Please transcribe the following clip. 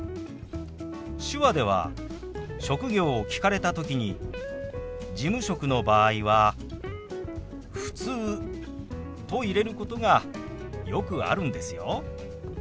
手話では職業を聞かれた時に事務職の場合は「ふつう」と入れることがよくあるんですよ。